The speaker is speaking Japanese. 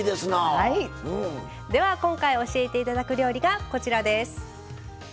では今回教えて頂く料理がこちらです。